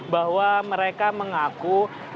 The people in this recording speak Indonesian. bahwa mereka mengaku